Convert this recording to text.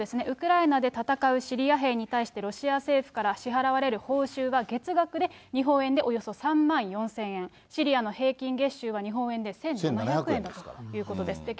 ウクライナで戦うシリア兵に対して、ロシア政府から支払われる報酬が、月額で日本円でおよそ３万４０００円、シリアの平均月収は日本円で１７００円だということです。